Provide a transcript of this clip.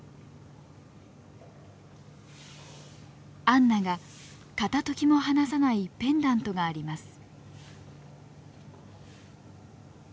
アンナが片ときも離さないペンダントがあります。